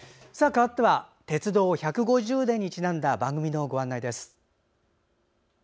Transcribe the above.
かわっては鉄道１５０年にちなんだ番組のご案内です。